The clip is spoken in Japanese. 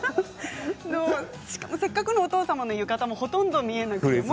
せっかくのお父様の浴衣もほとんど見えず。